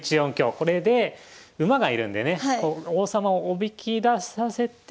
これで馬が居るんでね王様をおびき出させて香車で。